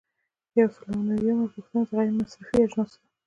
یو سل او نوي یمه پوښتنه د غیر مصرفي اجناسو ده.